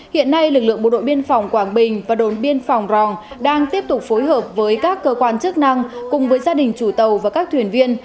hiện nay lực lượng bộ đội biên phòng quảng bình và đồn biên phòng rong đang tiếp tục phối hợp với các cơ quan chức năng cùng với gia đình chủ tàu và các thuyền viên